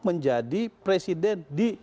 menjadi presiden di